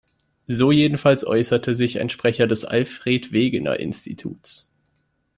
So jedenfalls äußerte sich ein Sprecher des Alfred-Wegener-Instituts.